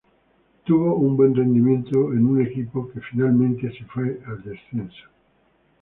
Tuvo un buen rendimiento en un equipo que finalmente se fue al descenso.